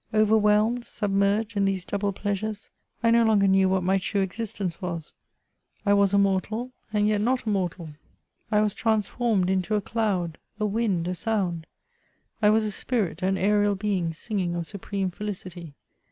Overwhelmed, submerged in these double pleasures, I no longer knew what my true existence was ; I was a mortal, and yet not a mortal ; I was transformed into a cloud, a wind, a sound; I was a spirit, an aerial being, singing of supreme felicity.